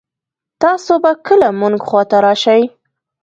تاسو به کله مونږ خوا ته راشئ